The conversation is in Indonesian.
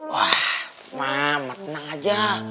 wah mama tenang aja